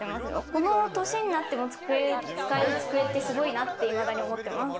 この歳になっても使える机っていいなって思ってます。